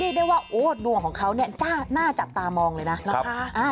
เรียกได้ว่าดวงของเขาน่าจะจับตามองเลยนะ